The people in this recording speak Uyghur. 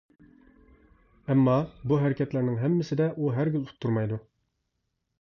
ئەمما، بۇ ھەرىكەتلەرنىڭ ھەممىسىدە ئۇ ھەرگىز ئۇتتۇرمايدۇ.